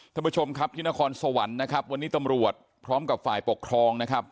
ท่านผู้ชมครับที่นครสวรรค์นะครับวันนี้ตำรวจพร้อมกับฝ่ายปกครองนะครับ